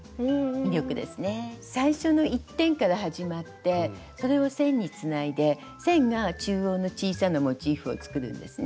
最初の一点から始まってそれを線につないで線が中央の小さなモチーフを作るんですね。